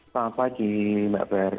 selamat pagi mbak ferdi